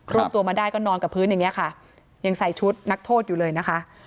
วบตัวมาได้ก็นอนกับพื้นอย่างเงี้ยค่ะยังใส่ชุดนักโทษอยู่เลยนะคะ